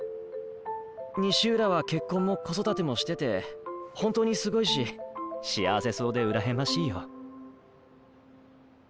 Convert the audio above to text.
西浦は結婚も子育てもしてて本当にすごいし幸せそうでうらやましいよ。